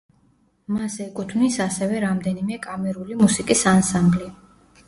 მას ეკუთვნის ასევე რამდენიმე კამერული მუსიკის ანსამბლი.